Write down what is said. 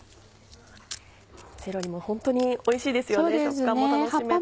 セロリもホントにおいしいですね食感も楽しめて。